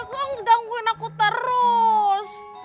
ambil comelnya itu jangguin aku terus